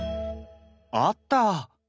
あった！